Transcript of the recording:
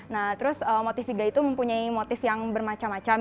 nah terus motiviga itu mempunyai motif yang bermacam macam